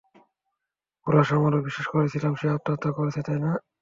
Porous, আমরাও বিশ্বাস করেছিলাম সে আত্মহত্যা করেছে, তাই না?